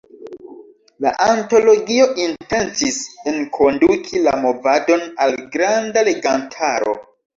La antologio intencis enkonduki la movadon al granda legantaro.